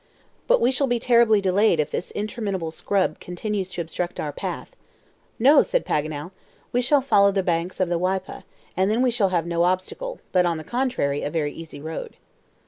"But we shall be terribly delayed if this interminable scrub continues to obstruct our path." "No," said Paganel, "we shall follow the banks of the Waipa, and then we shall have no obstacle, but on the contrary, a very easy road."